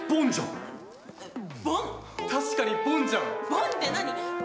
ボンって何？